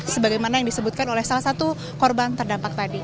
sebagaimana yang disebutkan oleh salah satu korban terdampak tadi